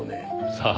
さあ